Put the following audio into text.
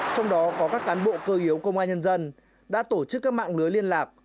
trong đó có các cán bộ cơ yếu công an nhân dân đã tổ chức các mạng lưới liên lạc